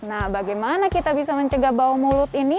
nah bagaimana kita bisa mencegah bau mulut ini